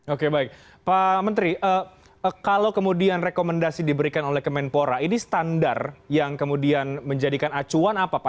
oke baik pak menteri kalau kemudian rekomendasi diberikan oleh kemenpora ini standar yang kemudian menjadikan acuan apa pak